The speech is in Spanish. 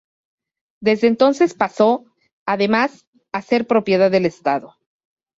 Desde entonces pasó, además, a ser propiedad del Estado.